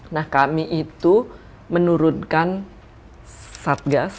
nah kami itu menurunkan satgas